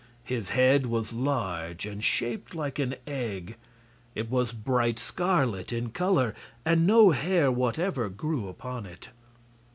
His head was large and shaped like an egg; it was bright scarlet in color and no hair whatever grew upon it.